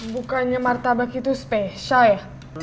bukannya martabak itu spesial ya